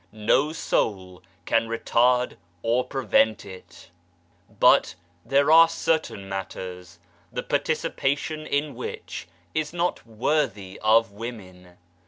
No soul can retard or prevent it. But there are certain matters, the participation in which is not worthy of women.